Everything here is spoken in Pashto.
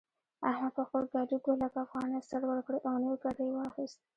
احمد په خپل ګاډي دوه لکه افغانۍ سر ورکړې او نوی ګاډی يې واخيست.